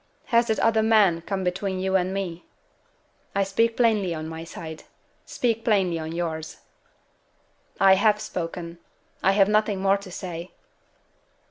"Has that other man come between you and me? I speak plainly on my side. Speak plainly on yours." "I have spoken. I have nothing more to say."